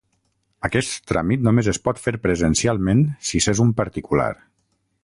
Aquest tràmit només es pot fer presencialment si s'és un particular.